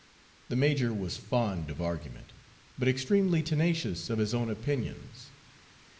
The major was fond of argument, but extremely tenacious of his own opinions.